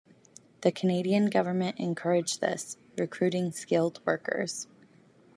The Canadian government encouraged this, recruiting skilled workers.